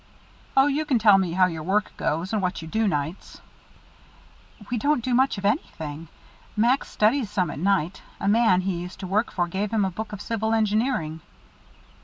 "Oh, you can tell how your work goes, and what you do nights." "We don't do much of anything. Max studies some at night a man he used to work for gave him a book of civil engineering."